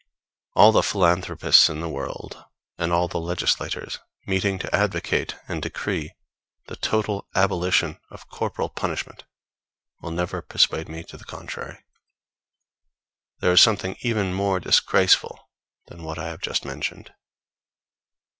All the philanthropists in the world, and all the legislators, meeting to advocate and decree the total abolition of corporal punishment, will never persuade me to the contrary! There is something even more disgraceful than what I have just mentioned.